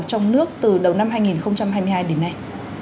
trong nước từ đầu năm hai nghìn hai mươi hai đến nay